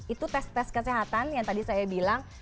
itu tes tes kesehatan yang tadi saya bilang